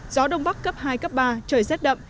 gió đông bắc cấp hai cấp ba trời rét đậm